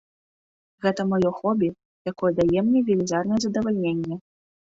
Гэта маё хобі, якое дае мне велізарнае задавальненне.